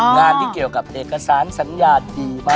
งานที่เกี่ยวกับเอกสารสัญญาดีมาก